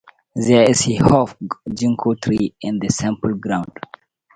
There is a huge Ginkgo tree in the temple grounds.